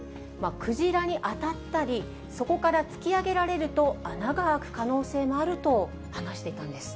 クジラに当たったり、そこから突き上げられると、穴が開く可能性もあると話していたんです。